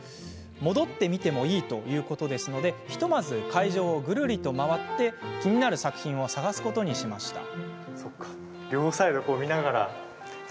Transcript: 戻って見てもいいということなのでひとまず会場をぐるっと回って気になる作品を探すことにしました。